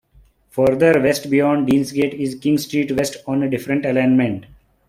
Further west beyond Deansgate is King Street West on a different alignment.